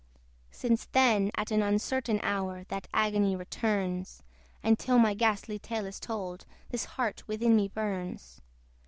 Since then, at an uncertain hour, That agony returns; And till my ghastly tale is told, This heart within me burns.